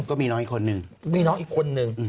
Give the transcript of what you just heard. ก็มีน้องอีกคนนึง